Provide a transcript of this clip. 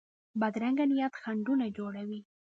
بدرنګه نیت خنډونه جوړوي